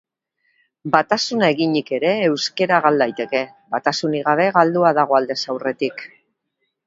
Batasuna eginik ere, euskara gal daiteke; batasunik gabe, galdua dago aldez aurretik.